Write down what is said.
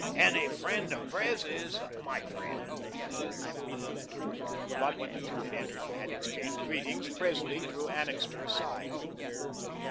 "Any friend of Pres is my friend," he declared. But when the two had entered and had exchanged greetings, Presley drew Annixter aside.